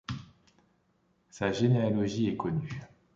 Sa généalogie est connue.